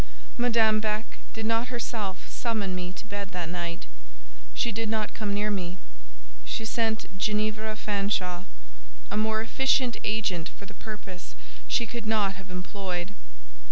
Madame Beck did not herself summon me to bed that night—she did not come near me: she sent Ginevra Fanshawe—a more efficient agent for the purpose she could not have employed.